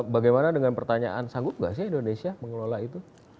bagaimana dengan pertanyaan sanggup nggak sih indonesia mengelola itu